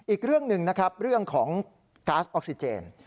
อีกเรื่องหนึ่งนะครับเรื่องของก๊าซออกซิเจน